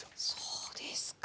そうですか。